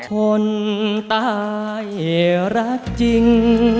ปากรอบลิง